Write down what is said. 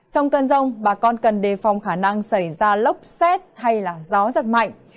trong cơn rông bà con cần đề phòng khả năng xảy ra lốc xét hay là gió giật mạnh